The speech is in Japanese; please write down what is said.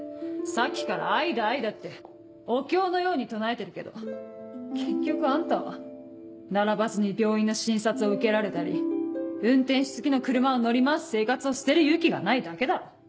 さっきから「愛だ愛だ」ってお経のように唱えてるけど結局あんたは並ばずに病院の診察を受けられたり運転手付きの車を乗り回す生活を捨てる勇気がないだけだろ。